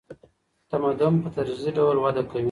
تمدن په تدریجي ډول وده کوي.